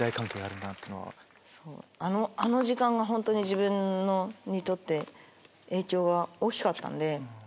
あの時間が本当に自分にとって影響が大きかったんで。